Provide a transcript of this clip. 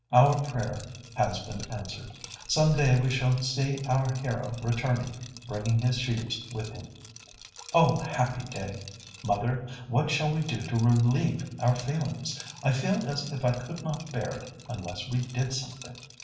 "Our prayer has been answered. Some day we shall see our hero returning 'bringing his sheaves with him.' Oh! happy day! Mother, what shall we do to relieve our feelings? I feel as if I could not bear it unless we did something."